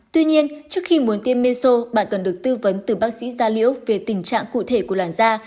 tuy nhiên trước khi muốn tiêm meso bạn cần được tư vấn từ bác sĩ da liễu về tình trạng cụ thể của làn da